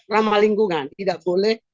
ramah lingkungan tidak boleh